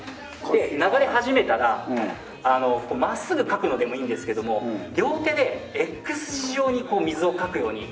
流れ始めたら真っすぐかくのでもいいんですけども両手でＸ字状にこう水をかくように。